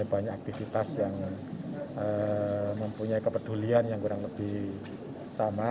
banyak aktivitas yang mempunyai kepedulian yang kurang lebih sama